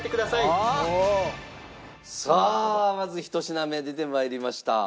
まず１品目出てまいりました。